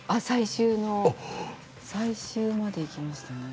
最終までいきましたね。